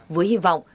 với hy vọng